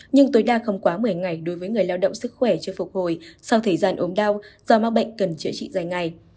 nhưng tối đa không quá một mươi ngày đối với người lao động sức khỏe chưa phục hồi sau thời gian ốm đau do mắc bệnh cần chữa trị dài ngày